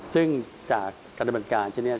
ซึ่งจากการบันการที่นี่